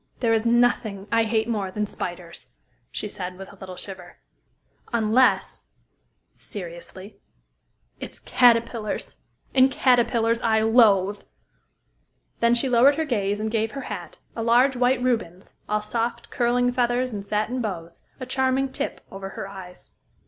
"There is nothing I hate more than spiders," she said, with a little shiver, "unless," seriously, "it's caterpillars and caterpillars I loathe." Then she lowered her gaze, and gave her hat a large white Rubens, all soft, curling feathers and satin bows a charming tip over her eyes.